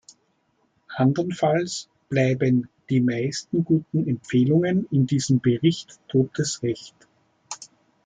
Andernfalls bleiben die meisten guten Empfehlungen in diesem Bericht totes Recht.